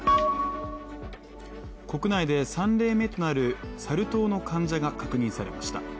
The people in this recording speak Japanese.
国内で３例目となるサル痘の患者が確認されました。